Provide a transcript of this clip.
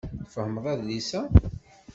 Tfehmeḍ adlis-a?